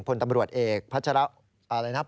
พลตำรวจเอกพัชระอะไรนะครับ